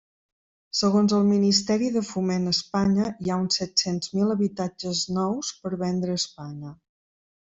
Segons el Ministeri de Foment a Espanya hi ha uns set-cents mil habitatges nous per vendre a Espanya.